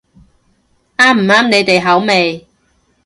啱唔啱你哋口味